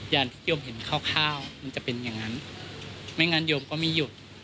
อย่างที่โยมเห็นคร่าวมันจะเป็นอย่างนั้นไม่งั้นโยมก็ไม่หยุด